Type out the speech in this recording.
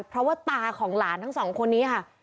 เพราะว่าตาของหลานทั้งสองคนนี้ค่ะ